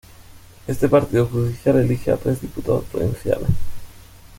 Este partido judicial elige a tres diputados provinciales.